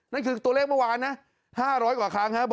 นั่นคือตัวเลขเมื่อวานนะห้าร้อยกว่าครั้งฮะ